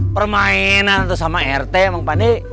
permainan itu sama rt pak rt